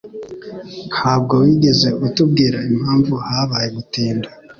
Ntabwo wigeze utubwira impamvu habaye gutinda.